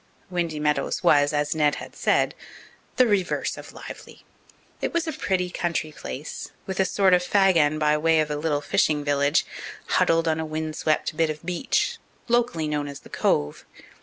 Windy Meadows was, as Ned had said, the reverse of lively. It was a pretty country place, with a sort of fag end by way of a little fishing village, huddled on a wind swept bit of beach, locally known as the "Cove."